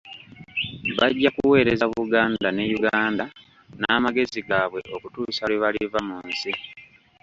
Bajja kuweereza Buganda ne Uganda n'amagezi gaabwe okutuusa lwe baliva mu nsi.